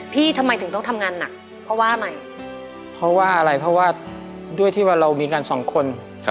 ทำไมถึงต้องทำงานหนักเพราะว่าอะไรเพราะว่าอะไรเพราะว่าด้วยที่ว่าเรามีกันสองคน